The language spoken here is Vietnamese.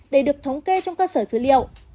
để được thống kê trong cơ sở dữ liệu